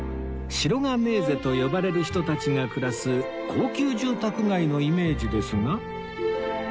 シロガネーゼと呼ばれる人たちが暮らす高級住宅街のイメージですが